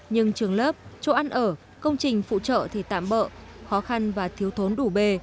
nhưng trường lớp chỗ ăn ở công trình phụ trợ thì tạm bỡ khó khăn và thiếu thốn đủ bề